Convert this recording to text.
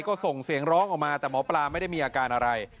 ก็ส่งเสียงร้องออกมาแต่หมอปลาไม่ได้มีอาการอะไร